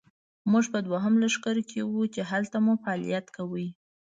موږ په دوهم لښکر کې وو، چې هلته مو فعالیت کاوه.